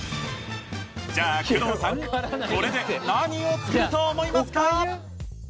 じゃあ工藤さんこれで何を作ると思いますか？